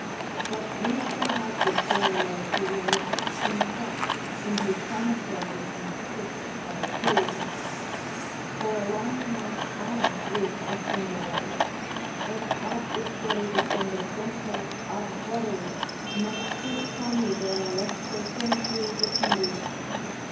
But you shall have the story as he relates himself, in his Commentaries on the sixth of Apuleius. For a long time I lived a single life, et ab uxore ducenda semper abhorrui, nec quicquam libero lecto censui jucundius.